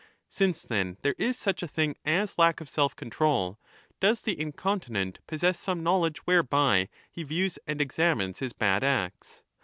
Since, then, there is such a thing as lack of self control, does the incontinent possess some knowledge whereby he views and examines his bad acts